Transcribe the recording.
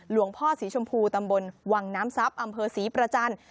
หลวงพ่อสีชมพูตำบลวังน้ำทรัพย์อำเภอศรีประจันทร์